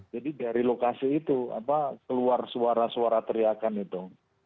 jadi dari lokasi itu apa keluar suara suara teriakan itu